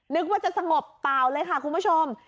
นึกว่าจะสงบเปล่าเลยค่ะคุณผู้ชม